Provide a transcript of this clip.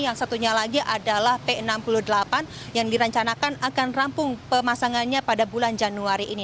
yang satunya lagi adalah p enam puluh delapan yang direncanakan akan rampung pemasangannya pada bulan januari ini